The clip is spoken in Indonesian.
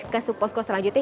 ke suposko selanjutnya